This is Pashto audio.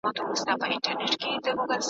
وئيل يې چې دا شپه او تنهايۍ کله يو کيږي `